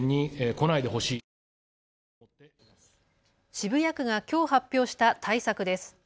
渋谷区がきょう発表した対策です。